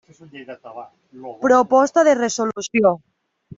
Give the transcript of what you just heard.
Proposta de resolució.